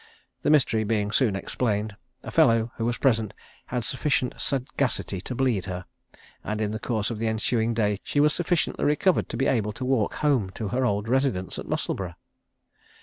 The mystery being soon explained; a fellow, who was present, had sufficient sagacity to bleed her; and in the course of the ensuing day she was sufficiently recovered to be able to walk home to her old residence at Musselburgh.